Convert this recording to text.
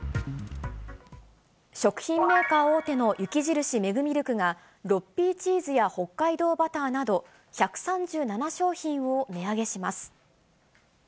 食品メーカー大手の雪印メグミルクが、６Ｐチーズや北海道バターなど、１３７商品を値上げします。